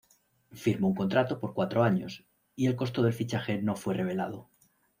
Firmó un contrato por cuatro años y el costo del fichaje no fue revelado.